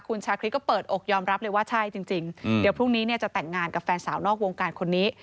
คุณชาคริสก็เปิดอกยอมรับเลยว่าใช่จริงเดี๋ยวพรุ่งนี้เนี่ยจะแต่งงานกับแฟนสาวนอกวงการคนนี้